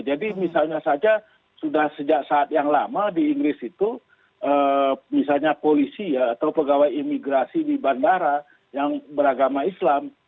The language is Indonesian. jadi misalnya saja sudah sejak saat yang lama di inggris itu misalnya polisi atau pegawai imigrasi di bandara yang beragama islam